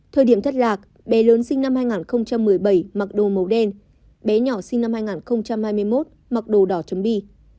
thời điểm thất lạc bé lớn sinh năm hai nghìn một mươi bảy mặc đồ màu đen bé nhỏ sinh năm hai nghìn hai mươi một mặc đồ đỏ chấm bi